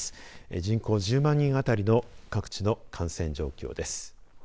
人口１０万人当たりの各地の感染状況です。